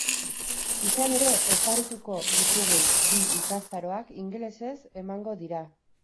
Izan ere, oparituko ditugun bi ikastaroak ingelesez emango dira.